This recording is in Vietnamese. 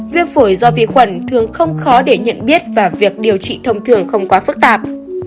viêm phổi do vi khuẩn thường không khó để nhận biết và việc điều trị thông thường không quá phức tạp